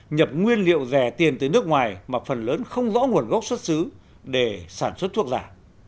nhập nguyên liệu rẻ tiền từ nước ngoài mà phần lớn không rõ nguồn gốc xuất xứ để sản xuất thuốc giả